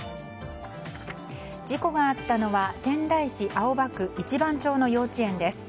事故があったのは仙台市青葉区一番町の幼稚園です。